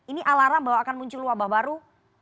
ini alarm bahwa akan muncul wabah baru